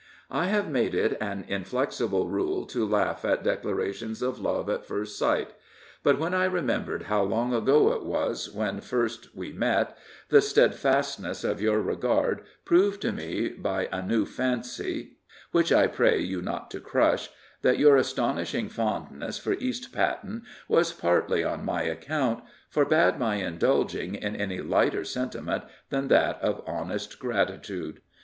"I have made it an inflexible rule to laugh at declarations of 'love at first sight,' but when I remembered how long ago it was when first we met, the steadfastness of your regard, proved to me by a new fancy (which I pray you not to crush) that your astonishing fondness for East Patten was partly on my account, forbade my indulging in any lighter sentiment than that of honest gratitude.